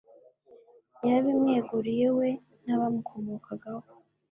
yarabimweguriye, we n'abamukomokaho